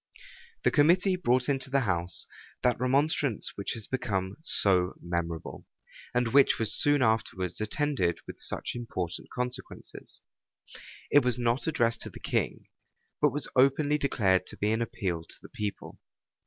The committee brought into the house that remonstrance which has become so memorable, and which was soon afterwards attended with such important consequences. It was not addressed to the king; but was openly declared to be an appeal to the people.